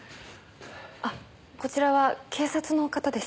あっこちらは警察の方です。